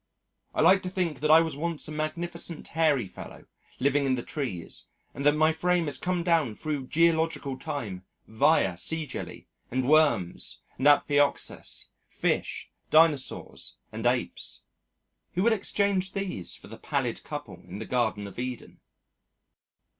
I like to think that I was once a magnificent hairy fellow living in the trees and that my frame has come down through geological time via sea jelly and worms and Amphioxus, Fish, Dinosaurs, and Apes. Who would exchange these for the pallid couple in the Garden of Eden?